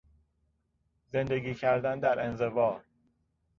زندگی کردن در انزوا